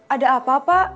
ada apa pak